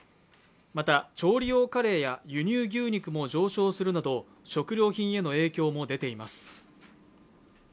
また調理用カレーや輸入牛肉も上昇するなど食料品への影響も出ています。